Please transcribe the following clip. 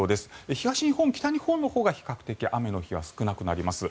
東日本、北日本のほうが比較的雨の日は少なくなります。